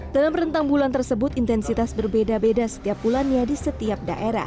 dalam rentang bulan tersebut intensitas berbeda beda setiap bulannya di setiap daerah